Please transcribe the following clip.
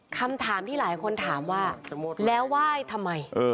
คำถามที่หลายคนถามว่าแล้วไหว้ทำไม